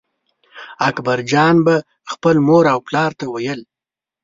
اکبرجان به خپل مور او پلار ته ویل.